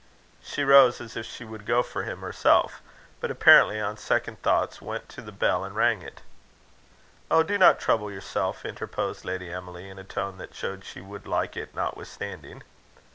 She rose as if she would go for him herself; but, apparently on second thoughts, went to the bell and rang it. "Oh! do not trouble yourself," interposed Lady Emily, in a tone that showed she would like it notwithstanding.